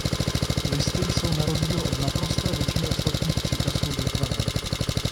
Listy jsou na rozdíl od naprosté většiny ostatních cykasů větvené.